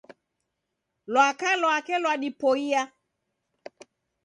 Lwaka lwake lwadipoie.